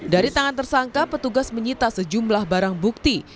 dari tangan tersangka petugas menyita sejumlah barang bukti